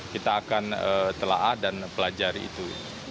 kita akan telah dan pelajari itu